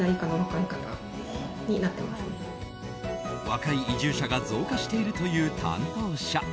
若い移住者が増加しているという担当者。